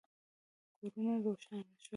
کورونه روښانه شول.